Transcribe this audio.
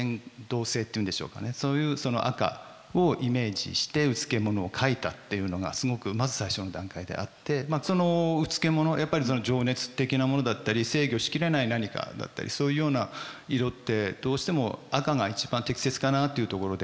そういうその赤をイメージしてうつけ者を描いたっていうのがすごくまず最初の段階であってそのうつけ者やっぱり情熱的なものだったり制御し切れない何かだったりそういうような色ってどうしても赤が一番適切かなあというところで。